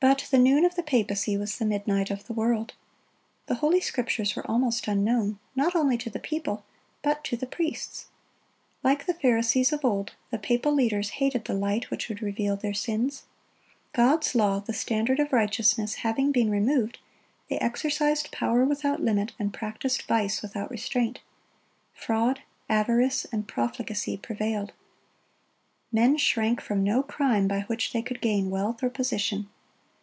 But "the noon of the papacy was the midnight of the world."(96) The Holy Scriptures were almost unknown, not only to the people, but to the priests. Like the Pharisees of old, the papal leaders hated the light which would reveal their sins. God's law, the standard of righteousness, having been removed, they exercised power without limit, and practised vice without restraint. Fraud, avarice, and profligacy prevailed. Men shrank from no crime by which they could gain wealth or position.